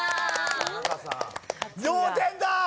同点だ！